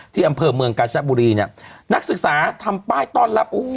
ที่อำเภอเมืองกาญบุรีเนี่ยนักศึกษาทำป้ายต้อนรับ